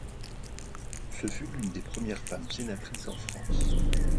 Ce fut l'une des premières femmes sénatrices en France.